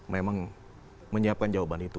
memang menyiapkan jawaban itu